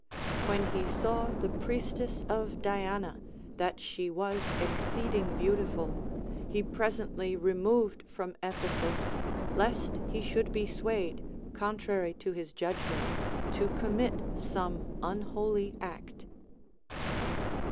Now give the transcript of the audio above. AVhen he saw the Priestess of Diana, that she was exceeding beautiful, he presently removed from Ephesus, lest he should be swayed, contrary to his judgment, to commit some unholy act.